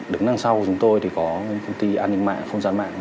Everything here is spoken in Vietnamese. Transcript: đứng đằng sau chúng tôi thì có công ty an ninh mạng không gian mạng